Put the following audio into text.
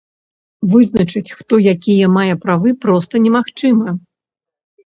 Вызначыць, хто якія мае правы, проста немагчыма.